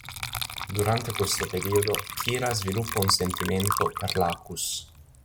Durante questo periodo Kira sviluppa un sentimento per Lacus.